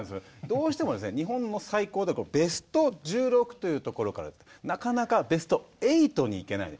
どうしても日本の最高だとベスト１６というところからなかなかベスト８に行けない。